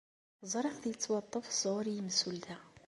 Ẓriɣ-t yettwaṭṭef sɣur n yimsulta.